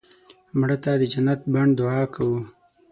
مړه ته د جنت بڼ دعا کوو